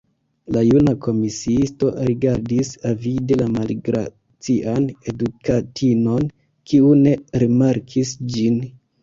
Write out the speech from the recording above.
La juna komisiisto rigardis avide la malgracian edukatinon, kiu ne rimarkis ĝin.